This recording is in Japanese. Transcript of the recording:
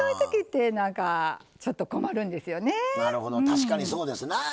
確かにそうですなあ。